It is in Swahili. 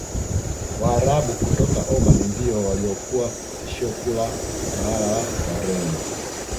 Waarabu kutoka Omani ndio waliokuwa tishio kuu la utawala wa Wareno